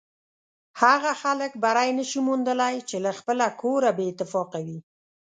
هغه خلک بری نشي موندلی چې له خپله کوره بې اتفاقه وي.